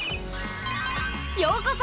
ようこそ！